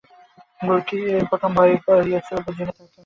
গুলকীর প্রথম ভয় হইয়াছিল বুঝি বা তাহাকে মারিবে!